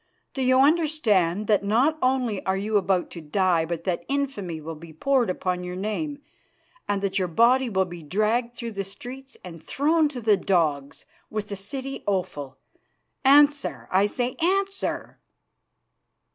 Do you understand that not only are you about to die, but that infamy will be poured upon your name and that your body will be dragged through the streets and thrown to the dogs with the city offal? Answer, I say, answer!"